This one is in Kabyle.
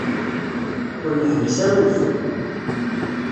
Ur yeḥbis ara udfel.